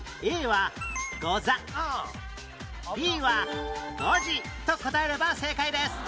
Ｂ は「ごじ」と答えれば正解です